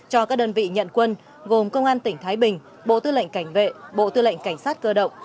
cho các đơn vị nhận quân gồm công an tỉnh thái bình bộ tư lệnh cảnh vệ bộ tư lệnh cảnh sát cơ động